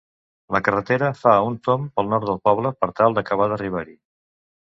La carretera fa un tomb pel nord del poble, per tal d'acabar d'arribar-hi.